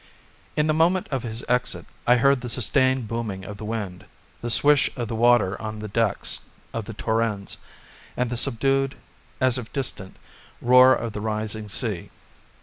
In the moment of his exit I heard the sustained booming of the wind, the swish of the water on the decks of the Torrens, and the subdued, as if distant, roar of the rising sea.